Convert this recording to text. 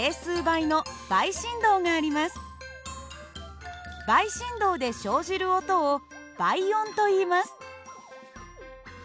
倍振動で生じる音を倍音といいます。